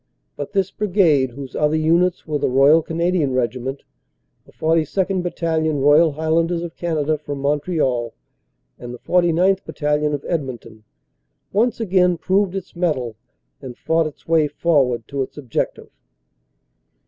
But this Brigade, whose other units were the Royal Canadian Regiment, the 42nd. Bat talion, Royal Highlanders of Canada from Montreal, and the 49th. Battalion of Edmonton, once again proved its mettle and fought its way forward to its objective.